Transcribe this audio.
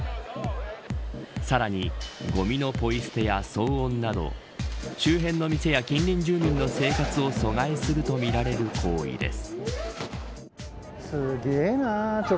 さらにごみのぽい捨てや騒音など周辺の店や近隣住民の生活を阻害するとみられる行為です。